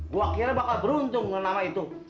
gue kira bakal beruntung dengan nama itu